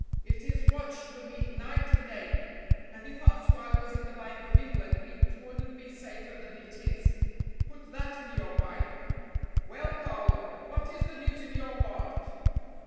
It is watched for me night and day, and if our swag was in the Bank of England it wouldn't be safer than it is. Put that in your pipe. Well, Carlo, what is the news in your part?"